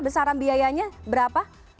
besaran biayanya berapa